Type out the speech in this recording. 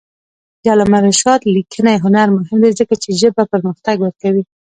د علامه رشاد لیکنی هنر مهم دی ځکه چې ژبه پرمختګ ورکوي.